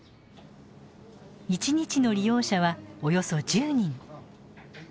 一日の利用者はおよそ１０人。